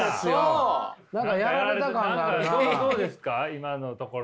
今のところ。